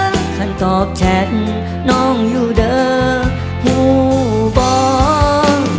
ท่านตอบแชทน้องอยู่เด้อหูบอก